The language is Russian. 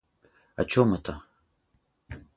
О чем это?